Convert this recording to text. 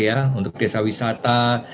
ya untuk desa wisata